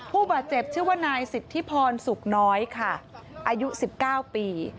ผู้บาดเจ็บชื่อว่านายสิทธิพรสุขน้อยค่ะอายุ๑๙ปี